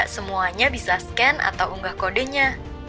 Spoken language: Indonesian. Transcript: semuanya bisa scan atau unggah kodenya